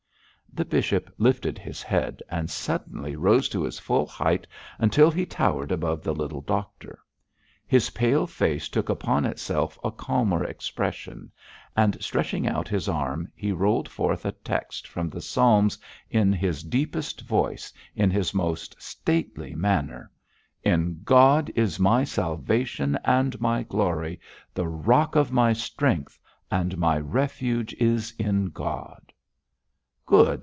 The bishop lifted his head and suddenly rose to his full height, until he towered above the little doctor. His pale face took upon itself a calmer expression, and stretching out his arm, he rolled forth a text from the Psalms in his deepest voice, in his most stately manner: 'In God is my salvation and my glory, the rock of my strength, and my refuge is in God.' 'Good!'